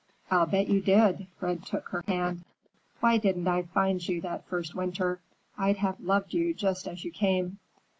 "I'll bet you did!" Fred took her hand. "Why didn't I find you that first winter? I'd have loved you just as you came!"